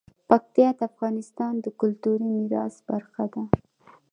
پکتیا د افغانستان د کلتوري میراث برخه ده.